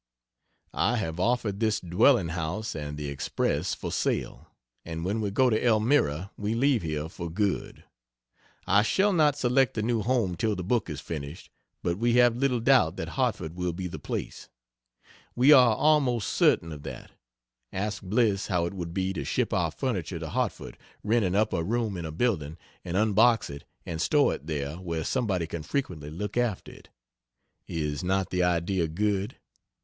I have offered this dwelling house and the Express for sale, and when we go to Elmira we leave here for good. I shall not select a new home till the book is finished, but we have little doubt that Hartford will be the place. We are almost certain of that. Ask Bliss how it would be to ship our furniture to Hartford, rent an upper room in a building and unbox it and store it there where somebody can frequently look after it. Is not the idea good?